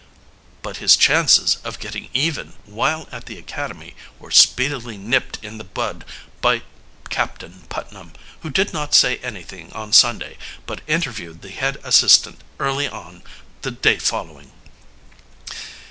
But his chances of "getting even" while at the academy were speedily nipped in the bud by Captain Putnam, who did not say anything on Sunday, but interviewed the head assistant early on the day following.